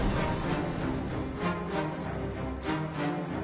chúc mừng năm mới